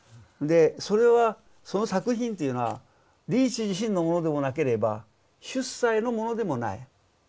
でそれはその作品というのはリーチ自身のものでもなければ出西のものでもない。